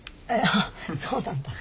ああそうなんだ。